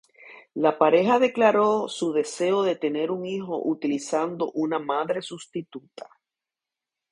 La pareja declaró su deseo de tener un hijo utilizando una madre sustituta.